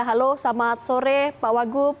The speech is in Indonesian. halo selamat sore pak wagub